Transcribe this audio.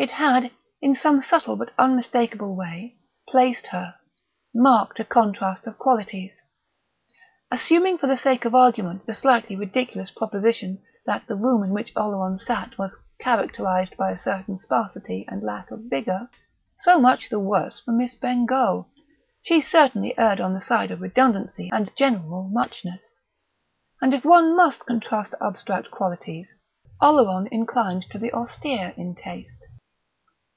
It had, in some subtle but unmistakable way, placed her, marked a contrast of qualities. Assuming for the sake of argument the slightly ridiculous proposition that the room in which Oleron sat was characterised by a certain sparsity and lack of vigour; so much the worse for Miss Bengough; she certainly erred on the side of redundancy and general muchness. And if one must contrast abstract qualities, Oleron inclined to the austere in taste....